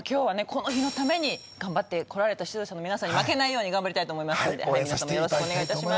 この日のために頑張ってこられた出場者の皆さんに負けないように頑張りたいと思いますので皆さんもよろしくお願いいたします